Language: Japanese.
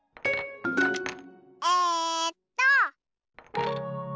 えっと。